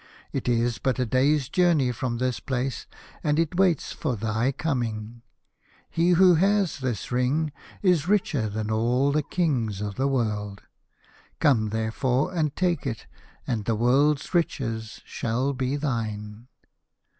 It is but a day's journey from this place, and it waits for thy coming. He who has this Ring is richer than all the kings of the world. Come therefore and take it, and the world's riches shall be thine."